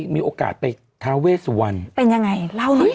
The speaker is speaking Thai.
มีโอกาสไปทาเวสวรรณเป็นยังไงเล่าหน่อย